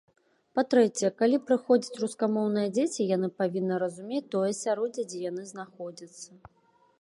Па-трэцяе, калі прыходзяць рускамоўныя дзеці, яны павінны разумець тое асяроддзе, дзе яны знаходзяцца.